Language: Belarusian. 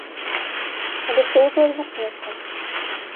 Але хто ўжо адгукнецца.